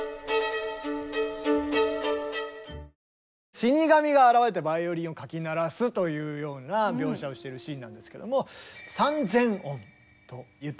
死に神が現れてバイオリンをかき鳴らすというような描写をしているシーンなんですけども。